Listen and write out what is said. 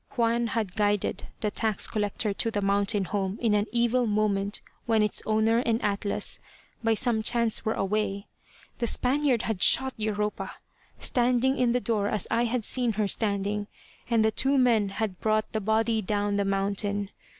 Juan had guided the tax collector to the mountain home in an evil moment when its owner and Atlas, by some chance were away. The Spaniard had shot Europa, standing in the door, as I had seen her standing, and the two men had brought the body down the mountain.